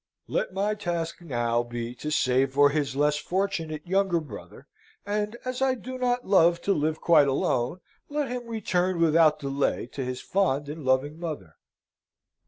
Let my task now be to save for his less fortunate younger brother: and, as I do not love to live quite alone, let him return without delay to his fond and loving mother.